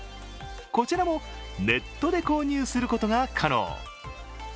こちらもネットで購入することが可能。